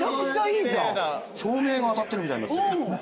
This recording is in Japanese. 照明が当たってるみたいになってる。